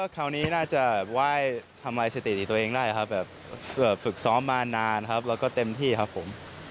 คราวนี้น่าจะไหว้ทำลายสถิติตัวเองได้ครับแบบฝึกซ้อมมานานครับแล้วก็เต็มที่ครับผม